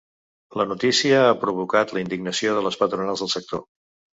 La notícia ha provocat la indignació de les patronals del sector.